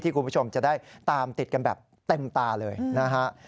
คุณผู้ชมจะได้ตามติดกันแบบเต็มตาเลยนะฮะ